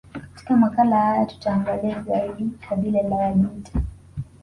Katika makala haya tutaangalia zaidi kabila la Wajita